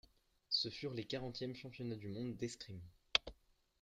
Ce furent les quarantièmes championnats du monde d'escrime.